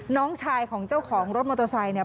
น้องชายของเจ้าของรถมอเตอร์ไซค์เนี่ย